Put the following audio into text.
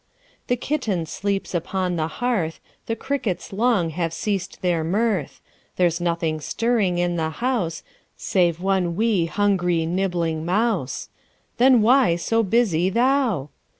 The kitten sleeps upon the hearth, The crickets long have ceased their mirth; There's nothing stirring in the house Save one 'wee', hungry, nibbling mouse, Then why so busy thou?